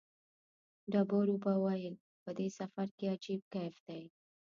ډېرو به ویل په دې سفر کې عجیب کیف دی.